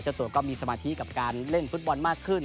ตัวก็มีสมาธิกับการเล่นฟุตบอลมากขึ้น